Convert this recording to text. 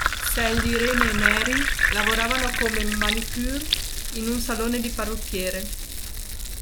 Sally, Irene e Mary lavorano come manicure in un salone di parrucchiere.